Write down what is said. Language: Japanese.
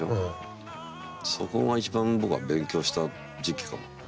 そこが一番僕は勉強した時期かも。